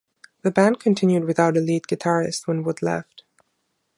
The band continued without a lead guitarist when Wood left.